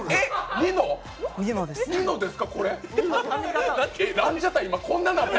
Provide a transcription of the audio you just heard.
ニノです。